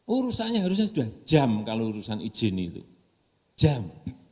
urusannya harusnya sudah jam kalau urusan izin itu jam